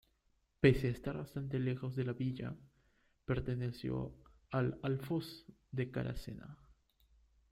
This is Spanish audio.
Pese a estar bastante lejos de la Villa, perteneció al Alfoz de Caracena.